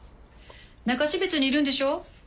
中標津にいるんでしょう。